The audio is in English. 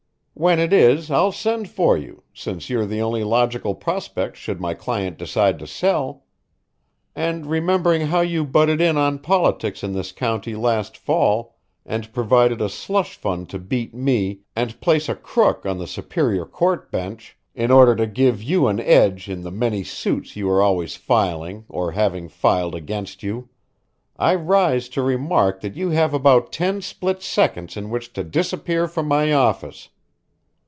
When it is, I'll send for you, since you're the only logical prospect should my client decide to sell. And remembering how you butted in on politics in this county last fall and provided a slush fund to beat me and place a crook on the Superior Court bench, in order to give you an edge in the many suits you are always filing or having filed against you, I rise to remark that you have about ten split seconds in which to disappear from my office.